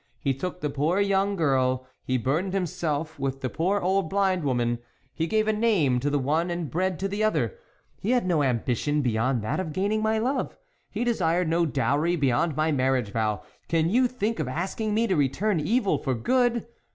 He took the poor young girl; he burdened himself with the poor old blind woman ; he gave a name to the one and bread to the other ; he had no ambition beyond that of gaining my love; he desired no dowry beyond my marriage vow ; can you think of asking me to return evil for good